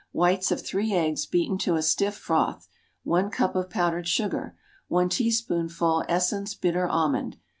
Whites of three eggs beaten to a stiff froth. One cup of powdered sugar. One teaspoonful essence bitter almond.